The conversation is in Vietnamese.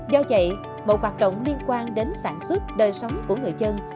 do vậy một hoạt động liên quan đến sản xuất đời sống của người dân